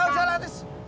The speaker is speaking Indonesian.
udah lah terus